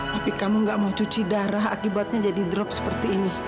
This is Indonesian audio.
tapi kamu gak mau cuci darah akibatnya jadi drop seperti ini